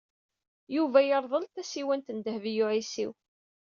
Yuba yerḍel-d tasiwant n Dehbiya u Ɛisiw.